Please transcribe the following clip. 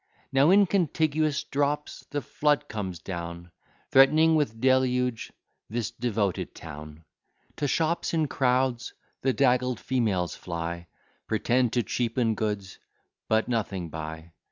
Now in contiguous drops the flood comes down, Threatening with deluge this devoted town. To shops in crowds the daggled females fly, Pretend to cheapen goods, but nothing buy.